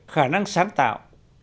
khả năng sáng tạo